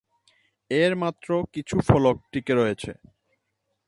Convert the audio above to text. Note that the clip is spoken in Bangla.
এর মাত্র কিছু ফলক টিকে রয়েছে।